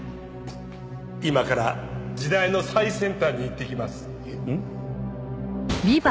今から時代の最先端に行ってきます。